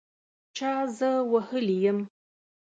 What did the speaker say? چا زه وهلي یم